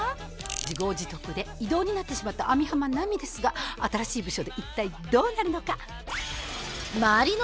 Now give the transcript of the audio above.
自業自得で異動になってしまった網浜奈美ですが新しい部署で一体どうなるのか？